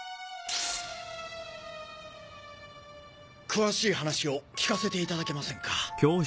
詳しい話を聞かせていただけませんか。